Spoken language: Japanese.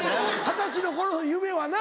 二十歳の頃の夢はな。